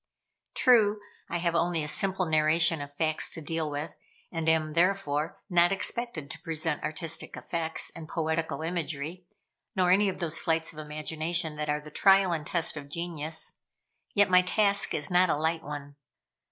True, I have only a simple narration of facts to deal with, and am, therefore, not expected to present artistic effects, and poetical imagery, nor any of those flights of imagination that are the trial and test of genius. Yet my task is not a light one.